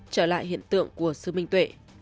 trở lại hiện tượng của sư minh tuệ